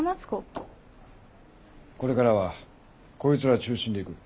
これからはこいつら中心でいく。